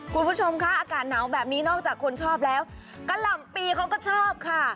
คุณผู้ชมค่ะอากาศหนาวแบบนี้นอกจากคนชอบแล้วกะหล่ำปีเขาก็ชอบค่ะ